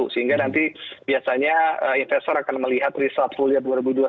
sehingga nanti biasanya investor akan melihat result full year dua ribu dua puluh satu